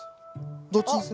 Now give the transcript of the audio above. どっちにする？